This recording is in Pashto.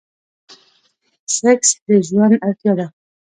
سيکس د ژوند اړتيا ده.